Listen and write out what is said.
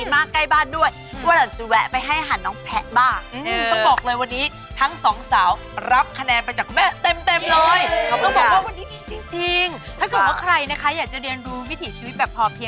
ไม่น่าเชื่อเนอะเนอะที่ท่องหล่อจะมีอะไรแบบนี้